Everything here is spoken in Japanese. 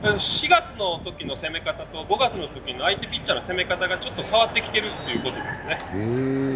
４月のときの攻め方と、５月のときの相手ピッチャーの攻め方がちょっと変わってきているということですね。